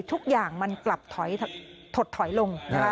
ทุกอย่างมันกลับถดถอยลง